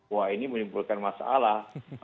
wah ini menimbulkan masalah